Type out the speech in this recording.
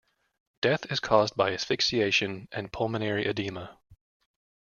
Death is caused by asphyxiation and pulmonary edema.